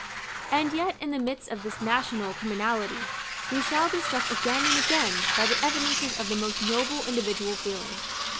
§ IX. And yet, in the midst of this national criminality, we shall be struck again and again by the evidences of the most noble individual feeling.